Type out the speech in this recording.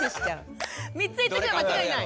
３つ言っておけば間違いない！